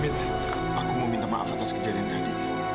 aku mau minta maaf atas kejadian tadi